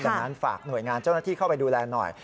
ดังนั้นฝากหน่วยงานเจ้าหน้าที่เข้าไปดูแลหน่อย